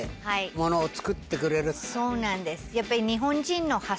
そうなんです